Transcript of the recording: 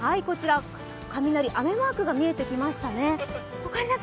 雷、雨マークが見えてきましたね。